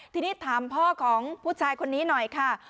ทีนี้ถามพ่อของผู้ชายคนนี้หน่อยค่ะ